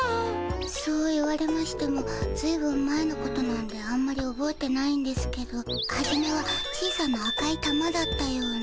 そう言われましてもずいぶん前のことなんであんまりおぼえてないんですけどはじめは小さな赤い玉だったような。